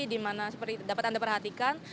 dimana seperti dapat anda perhatikan